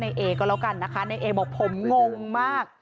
นายแอก็แล้วกันนะคะ